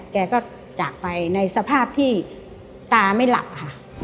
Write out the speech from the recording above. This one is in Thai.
แกก็จากไปในสภาพที่ตาไม่หลับค่ะ